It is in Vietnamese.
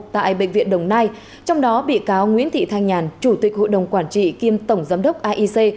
tại bệnh viện đồng nai trong đó bị cáo nguyễn thị thanh nhàn chủ tịch hội đồng quản trị kiêm tổng giám đốc aic